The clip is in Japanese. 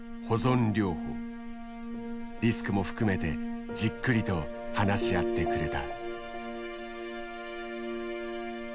リスクも含めてじっくりと話し合ってくれた。